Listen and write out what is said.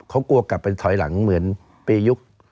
เขากลัวกลับไปถอยหลังเหมือนปียุค